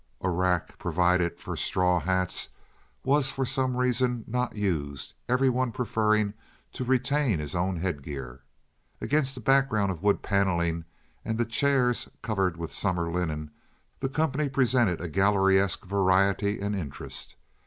A rack provided for straw hats was for some reason not used, every one preferring to retain his own head gear. Against the background of wood panneling and the chairs covered with summer linen the company presented a galleryesque variety and interest.